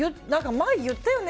前言ったよね！